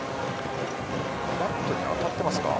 バットに当たっていますか。